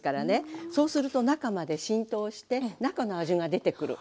そうすると中まで浸透して中の味が出てくる。